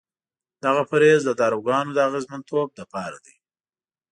دغه پرهیز د داروګانو د اغېزمنتوب لپاره دی.